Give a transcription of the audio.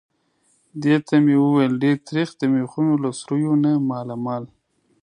دې ته مې وویل: ډېر تریخ. د مېخونو له سوریو نه مالامال.